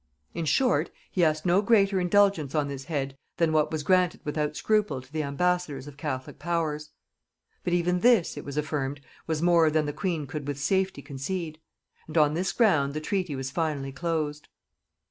In short, he asked no greater indulgence on this head than what was granted without scruple to the ambassadors of Catholic powers. But even this, it was affirmed, was more than the queen could with safety concede; and on this ground the treaty was finally closed.